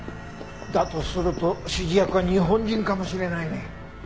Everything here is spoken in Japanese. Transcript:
だとすると指示役は日本人かもしれないね。